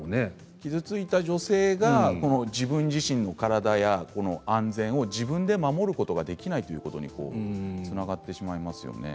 傷ついた女性が自分自身の体や安全を自分で守ることができないということにつながってしまいますよね。